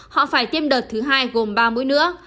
họ phải tiêm đợt thứ hai gồm ba mũi nữa